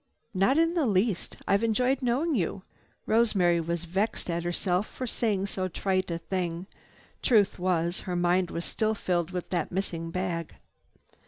"Not in the least. I've enjoyed knowing you." Rosemary was vexed at herself for saying so trite a thing. Truth was, her mind was still filled with that missing bag.